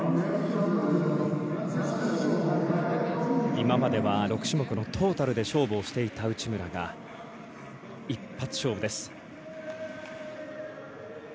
今までは６種目のトータルで勝負をしていた内村が一発勝負です。